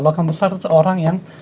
logam besar itu orang yang